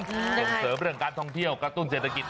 ส่งเสริมเรื่องการท่องเที่ยวกระตุ้นเศรษฐกิจ